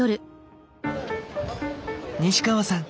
西川さん